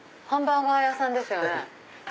ハンバーガー屋さんですよね。